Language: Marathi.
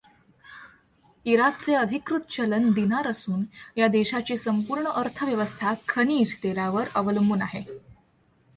इराकचे अधिकृत चलन दिनार असून या देशाची संपूर्ण अर्थव्यवस्था खनिज तेलावर अवलंबून आहे.